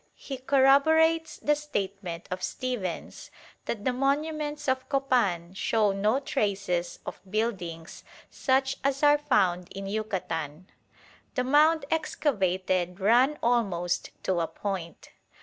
He corroborates the statement of Stephens that the monuments of Copan show no traces of buildings such as are found in Yucatan. The mound excavated ran almost to a point.